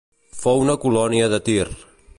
Fou una colònia de Tir.